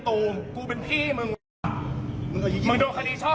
โปรดติดตามต่อไป